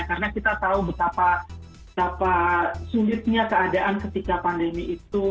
karena kita tahu betapa sulitnya keadaan ketika pandemi itu